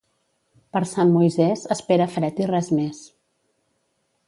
Per Sant Moisés espera fred i res més.